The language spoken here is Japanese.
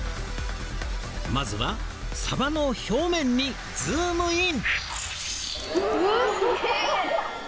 まずはサバの表面にズームイン！